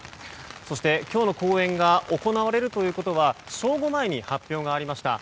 そして今日の公演が行われるということは正午前に発表がありました。